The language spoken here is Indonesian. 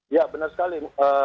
ya benar sekali